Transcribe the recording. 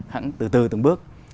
hẳn từ từ từng bước